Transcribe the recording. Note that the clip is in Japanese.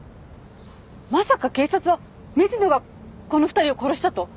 まさか警察は水野がこの２人を殺したと？